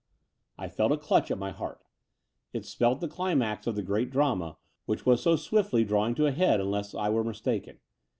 I felt a clutch at my heart. It spelt the climax of the great drama, which was so swiftly drawing to a head, unless I were mistaken.